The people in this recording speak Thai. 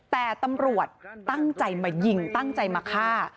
แต่ตำรวจตั้งใจมายิงตั้งใจมาฆ่า